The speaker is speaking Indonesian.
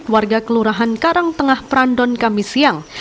warga kelurahan karangtengah perandon kamisiyang